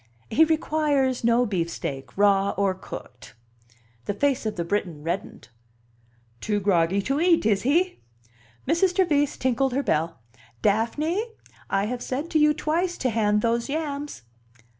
"He requires no beefsteak, raw or cooked." The face of the Briton reddened. "Too groggy to eat, is he?" Mrs. Trevise tinkled her bell. "Daphne! I have said to you twice to hand those yams."